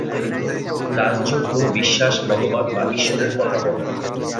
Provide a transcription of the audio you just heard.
রাজযোগ কোন বিশ্বাস, মতবাদ বা ঈশ্বরের কথা বলে না।